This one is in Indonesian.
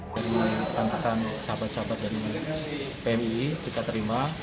dikantarkan sahabat sahabat dari pmi kita terima